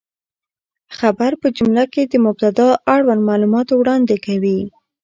خبر په جمله کښي د مبتداء اړوند معلومات وړاندي کوي.